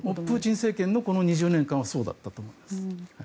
プーチン政権の２０年間はそうだったと思います。